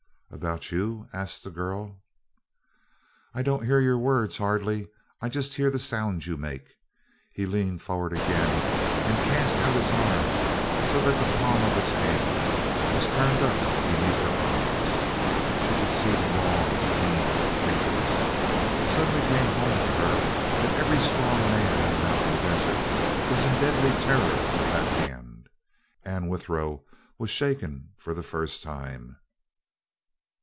"About you?" asked the girl. "I don't hear your words hardly; I just hear the sound you make." He leaned forward again and cast out his arm so that the palm of his hand was turned up beneath her eyes. She could see the long, lean fingers. It suddenly came home to her that every strong man in the mountain desert was in deadly terror of that hand. Anne Withero was shaken for the first time.